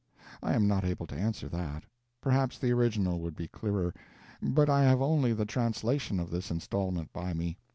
I am not able to answer that. Perhaps the original would be clearer, but I have only the translation of this installment by me.